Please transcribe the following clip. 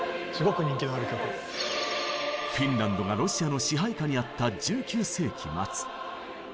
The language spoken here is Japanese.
フィンランドがロシアの支配下にあった１９世紀末。